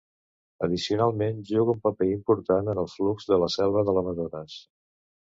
Addicionalment juga un paper important en el flux de la selva de l'Amazones.